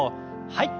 はい。